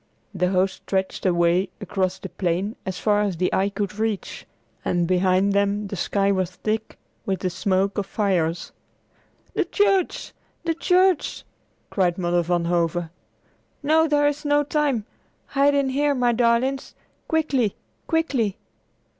The host stretched away across the plain as far as the eye could reach, and behind them the sky was thick with the smoke of fires. "The church! the church!" cried Mother Van Hove. "No, there is not time. Hide in here, my darlings. Quickly! Quickly!"